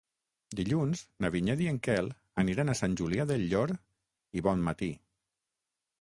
Dilluns na Vinyet i en Quel aniran a Sant Julià del Llor i Bonmatí.